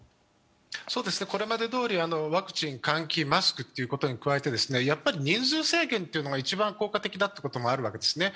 これまでどおりワクチン、換気、マスクに加えて人数制限ということが一番効果的だということもあるわけですね。